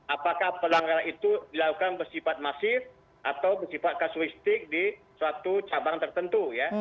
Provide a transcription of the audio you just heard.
apakah pelanggaran itu dilakukan bersifat masif atau bersifat kasuistik di suatu cabang tertentu ya